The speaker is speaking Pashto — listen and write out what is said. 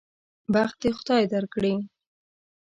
بخت دې خدای درکړي.